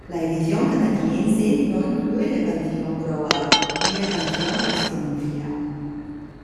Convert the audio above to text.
La edición canadiense no incluye la canción "Grow Up" ni la canción escondida.